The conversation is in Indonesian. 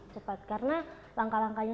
cepat karena langkah langkahnya